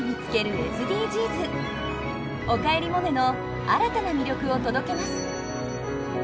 「おかえりモネ」の新たな魅力を届けます。